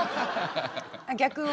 逆を。